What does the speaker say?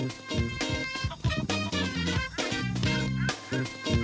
สวัสดีพี่ใหม่